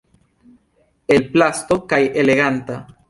El plasto kaj „eleganta“.